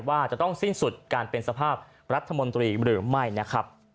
ว่าจะต้องสิ้นสุดการเป็นสภาพรัฐมนตรีหรือไม่นะครับ